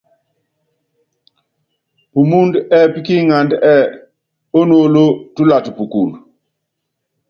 Pumúndɛ́ ɛ́ɛ́pí kí iŋánda ɛ́ɛ́: Ónuólo túlata pukul.